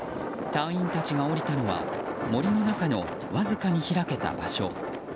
隊員たちが降りたのは森の中の、わずかに開けた場所。